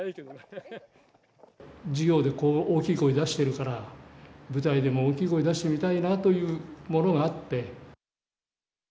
授業で大きい声出してるから、舞台でも大きい声出してみたいなというものがあって。